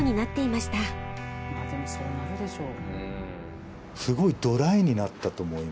でもそうなるでしょう。